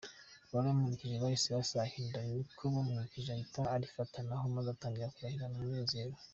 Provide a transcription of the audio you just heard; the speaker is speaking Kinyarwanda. Abari bamuherekeje bahise basahinda, ni uko bamwibukije ahita arifataho maze atangira kurahirana umunezero.